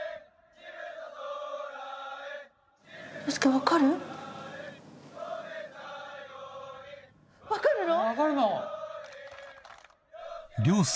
分かるの？